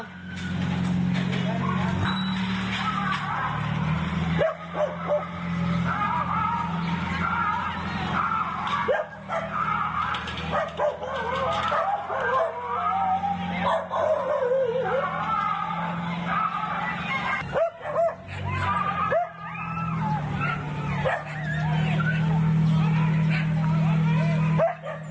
น้ำโกนไทยตอนนี้